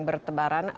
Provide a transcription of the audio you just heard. perkeong maksud saya